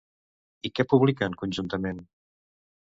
I què publiquen conjuntament?